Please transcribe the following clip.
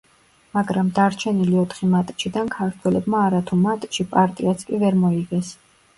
მაგრამ დარჩენილი ოთხი მატჩიდან ქართველებმა არა თუ მატჩი, პარტიაც კი ვერ მოიგეს.